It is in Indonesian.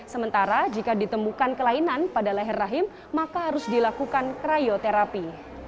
sementara jika ditemukan kelainan pada leher rahim maka harus dilakukan krioterapi